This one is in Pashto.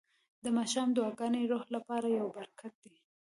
د ماښام دعاګانې د روح لپاره یو برکت دی.